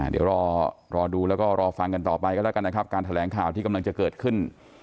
เดี๋ยวรอดูแล้วก็รอฟังกันต่อไปกันแล้วกันนะครับการแถลงข่าวที่กำลังจะเกิดขึ้น